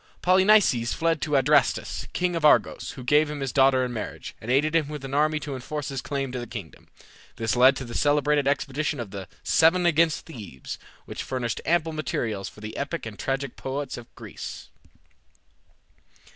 Polynices fled to Adrastus, king of Argos, who gave him his daughter in marriage, and aided him with an army to enforce his claim to the kingdom. This led to the celebrated expedition of the "Seven against Thebes," which furnished ample materials for the epic and tragic poets of Greece.